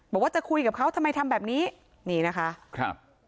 บอกว่าจะคุยกับเขาทำไมทำแบบนี้นี่นะคะครับ